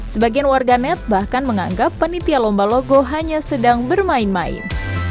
sebagian warganet bahkan menganggap penitia lomba logo hanya sedang bermain main